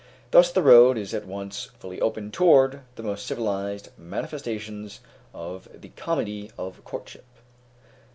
Thus the road is at once fully open toward the most civilized manifestations of the comedy of courtship.